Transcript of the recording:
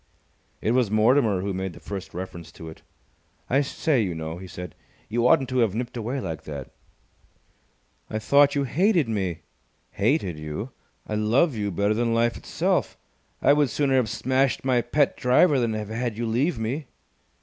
It was Mortimer who made the first reference to it. "I say, you know," he said, "you oughtn't to have nipped away like that!" "I thought you hated me!" "Hated you! I love you better than life itself! I would sooner have smashed my pet driver than have had you leave me!"